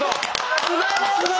すばらしい。